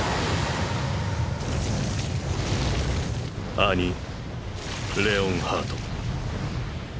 アニ・レオンハート。